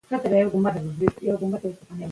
د سهار نرم قدم وهل ګټور دي.